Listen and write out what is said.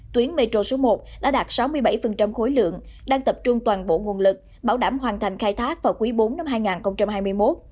tuyến metro số một đã đạt sáu mươi bảy khối lượng đang tập trung toàn bộ nguồn lực bảo đảm hoàn thành khai thác vào quý bốn năm hai nghìn hai mươi một